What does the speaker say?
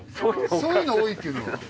そういうの多いっていうのは？